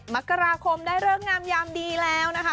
มกราคมได้เลิกงามยามดีแล้วนะคะ